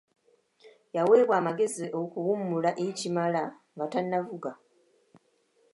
Yaweebwa amagezi okuwummula ekimala nga tannavuga.